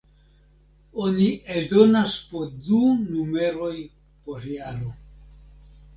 Oni eldonas po du numeroj por jaro.